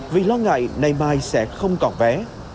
vì lo ngại ngày mai sẽ không còn vé